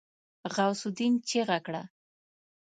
غوث االدين چيغه کړه.